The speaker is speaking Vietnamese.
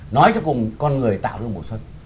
nói cho cùng con người tạo ra mùa xuân